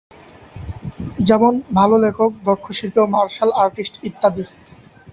যেমন, ভালো লেখক, দক্ষ শিল্পী ও মার্শাল আর্টিস্ট ইত্যাদি।